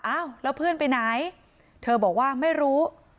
อ้าวแล้วเพื่อนไปไหนเธอบอกว่าไม่รู้